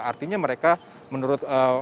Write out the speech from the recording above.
artinya mereka menurut